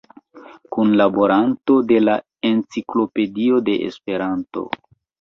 Kunlaboranto de la "Enciklopedio de Esperanto".